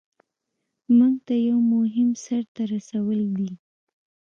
مونږ ته یو مهم سر ته رسول دي.